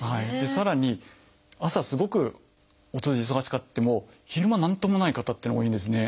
さらに朝すごくお通じ忙しくても昼間何ともない方っていうのが多いんですね。